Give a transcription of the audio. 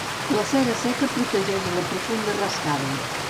La cera seca protegeix la profunda rascada.